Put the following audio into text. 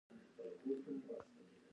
د کیفیت ساتنه د برانډ ارزښت لوړوي.